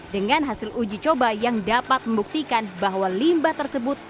dengan hasil uji coba yang dapat membuktikan bahwa limbah tersebut